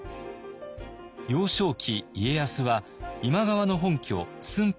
幼少期家康は今川の本拠駿府で育ちました。